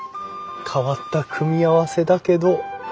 変わった組み合わせだけど。